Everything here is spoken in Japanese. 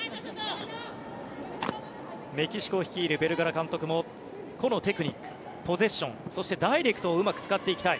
メキシコ率いるベルガラ監督も個のテクニックポゼッションそしてダイレクトをうまく使っていきたい。